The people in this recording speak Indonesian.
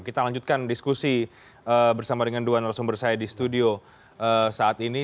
kita lanjutkan diskusi bersama dengan dua narasumber saya di studio saat ini